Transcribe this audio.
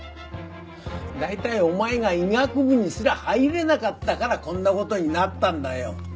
大体お前が医学部にすら入れなかったからこんな事になったんだよ！